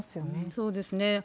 そうですよね。